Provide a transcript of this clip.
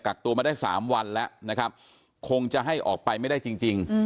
กักตัวมาได้๓วันแล้วนะครับคงจะให้ออกไปไม่ได้จริง